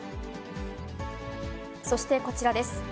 そしてこちらです。